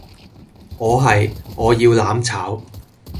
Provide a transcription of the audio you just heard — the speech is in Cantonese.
我係「我要攬炒」